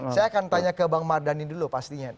saya akan tanya ke bang mardhani dulu pastinya